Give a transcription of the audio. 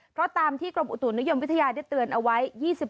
เพราะตามที่กรมอุตุนิยมวิทยาได้เตือนเอาไว้